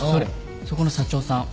そこの社長さん